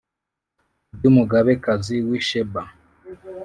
Iby'umugabekazi w'i Sheba